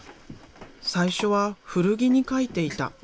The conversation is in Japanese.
最初は古着に描いていた。